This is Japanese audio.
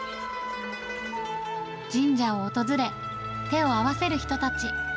神社を訪れ、手を合わせる人たち。